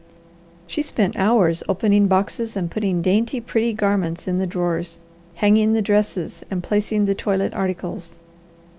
She spent hours opening boxes and putting dainty, pretty garments in the drawers, hanging the dresses, and placing the toilet articles.